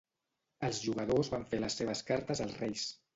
Els jugadors van fer les seves cartes als reis.